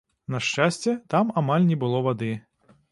На шчасце, там амаль не было вады.